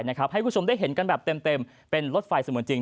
ให้คุณผู้ชมได้เห็นกันแบบเต็มเป็นรถไฟเสมือนจริง